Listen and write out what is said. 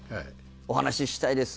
「お話ししたいです」